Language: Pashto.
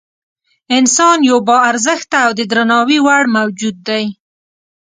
انسان یو با ارزښته او د درناوي وړ موجود دی.